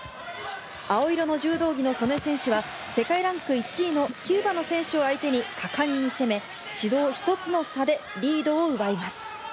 青色の柔道着の素根選手は、世界ランク１位のキューバの選手を相手に果敢に攻め、指導１つの差でリードを奪います。